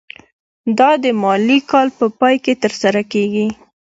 دا د مالي کال په پای کې ترسره کیږي.